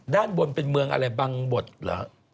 ด้านบนเป็นเมืองอะไรบังบดเหรอ